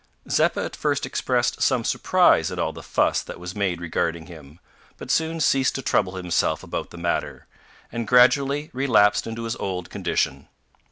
Zeppa at first expressed some surprise at all the fuss that was made regarding him, but soon ceased to trouble himself about the matter, and gradually relapsed into his old condition.